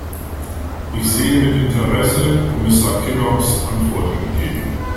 Ich sehe mit Interesse Kommissar Kinnocks Antwort entgegen.